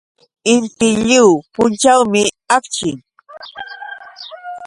Inti lliw punćhawmi akchin.